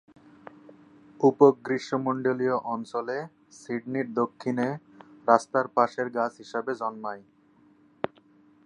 উপ-গ্রীষ্মমন্ডলীয় অঞ্চলে সিডনির দক্ষিণে রাস্তার পাশের গাছ হিসাবে জন্মায়।